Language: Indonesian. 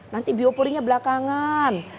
nanti bioporinya belakangan